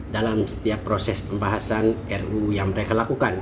dalam setiap proses pembahasan ruu yang mereka lakukan